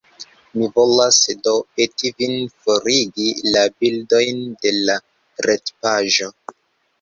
Mi volas do peti vin forigi la bildojn de la retpaĝo.